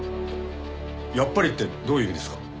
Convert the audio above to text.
「やっぱり」ってどういう意味ですか？